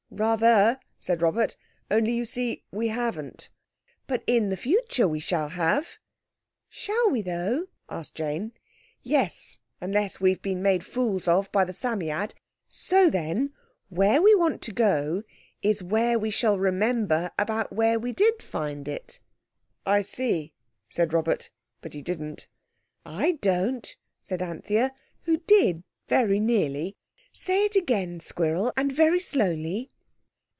"Rather!" said Robert. "Only, you see we haven't." "But in the future we shall have." "Shall we, though?" said Jane. "Yes—unless we've been made fools of by the Psammead. So then, where we want to go to is where we shall remember about where we did find it." "I see," said Robert, but he didn't. "I don't," said Anthea, who did, very nearly. "Say it again, Squirrel, and very slowly."